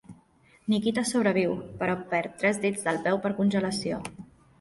Nikita sobreviu, però perd tres dits del peu per congelació.